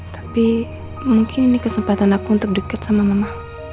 tapi mungkin ini kesempatan aku untuk dekat sama mama